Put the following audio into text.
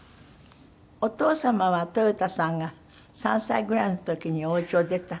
お父様はとよたさんが３歳ぐらいの時におうちを出た？